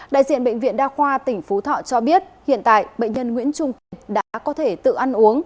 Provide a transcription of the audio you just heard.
đại diện bệnh viện đa khoa tỉnh phú thọ cho biết hiện tại bệnh nhân nguyễn trung việt đã có thể tự ăn uống